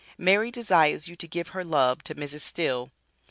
Mary desires you to give her love to Mrs. Still.